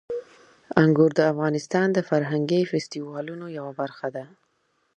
انګور د افغانستان د فرهنګي فستیوالونو یوه برخه ده.